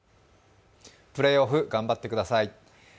プレーオフ、頑張ってください。